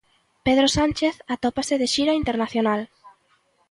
Pedro Sánchez atópase de xira internacional.